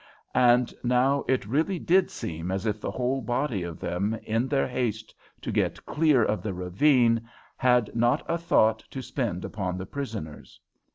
And now it really did seem as if the whole body of them, in their haste to get clear of the ravine, had not a thought to spend upon the prisoners.